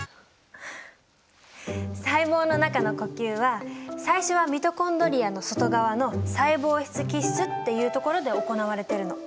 細胞の中の呼吸は最初はミトコンドリアの外側の細胞質基質っていうところで行われてるの。